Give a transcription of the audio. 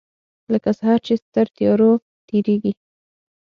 لکه سحر چې تر تیارو تیریږې